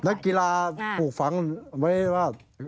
นักกีฬาตกฟังไว้ว่า